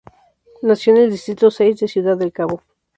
Nació en el Distrito Seis de Ciudad del Cabo.